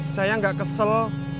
saya nggak kesel